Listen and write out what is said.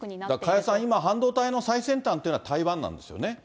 加谷さん、今、半導体の最先端っていうのは台湾なんですよね。